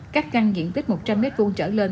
cắt căn diện tích một trăm linh m hai trở lên